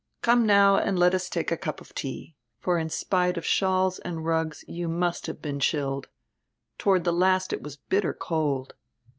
Come now and let us take a cup of tea. For in spite of shawls and rugs you must have been chilled. Toward die last it was bitter cold."